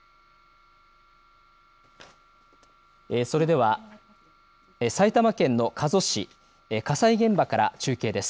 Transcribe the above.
それでは埼玉県の加須市火災現場から中継です。